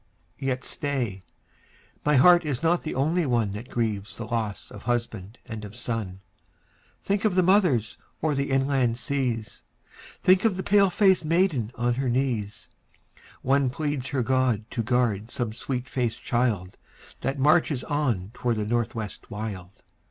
Yet stay, my heart is not the only one That grieves the loss of husband and of son; Think of the mothers o'er the inland seas; Think of the pale faced maiden on her knees; One pleads her God to guard some sweet faced child That marches on toward the North West wild.